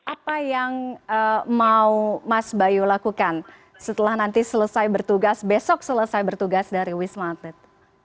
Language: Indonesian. apa yang mau mas bayu lakukan setelah nanti selesai bertugas besok selesai bertugas dari wisma atlet